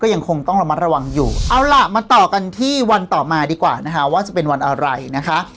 ยังคงต้องระมัดระวังอยู่เอาล่ะมาต่อกันที่วันต่อมาดีกว่านะคะว่าจะเป็นวันอะไรนะคะ